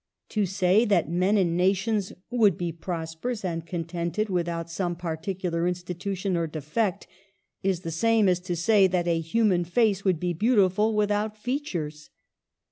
To say that men and nations would be prosperous and contented without some particular institution or defect, is the same as to say that a human face would be beautiful without features.